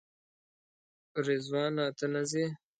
رضوانه ته نه ځې؟